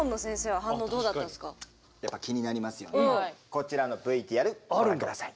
こちらのＶＴＲご覧下さい。